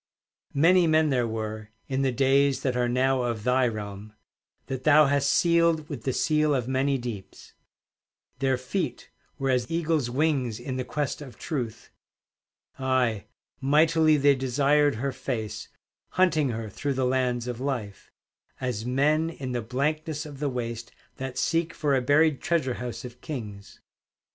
Many men there were, In the days that are now of thy realm, That thou hast sealed with the seal of many deeps; Their feet were as eagles' wings in the quest of Truth Aye, mightily they desired her face, Hunting her through the lands of life, As men in the blankness of the waste That seek for a buried treasure house of kings.